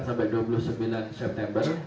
sampai dua puluh sembilan september